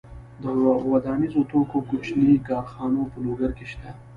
د ودانیزو توکو کوچنۍ کارخونې په لوګر کې شته.